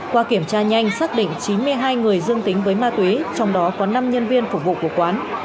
qua kiểm tra nhanh xác định chín mươi hai người dương tính với ma túy trong đó có năm nhân viên phục vụ của quán